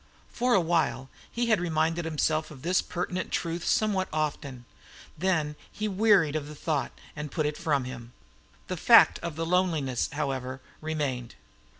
For a while he had reminded himself of this pertinent truth somewhat often; then he wearied of the thought, and put it from him. The fact of the loneliness, however, remained.